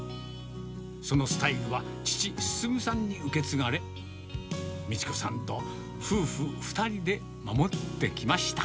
そのスタイルは、父、進さんに受け継がれ、みち子さんと夫婦２人で守ってきました。